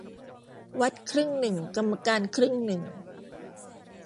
วัดครึ่งหนึ่งกรรมการครึ่งหนึ่ง